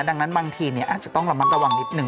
ดังนั้นบางทีอาจจะต้องระมัดระวังนิดนึ